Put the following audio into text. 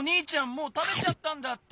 もうたべちゃったんだって。